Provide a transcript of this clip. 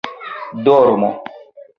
dormo